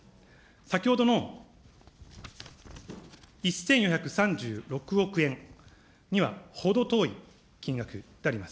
先ほどの１４３６億円には程遠い金額であります。